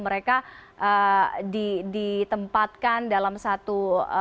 mereka ditempatkan dalam satu